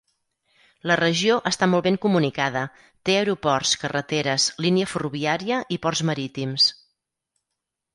La regió està molt ben comunicada, té aeroports, carreteres, línia ferroviària i ports marítims.